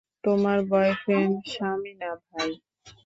তোমার বয়ফ্রেন্ড, স্বামী না ভাই?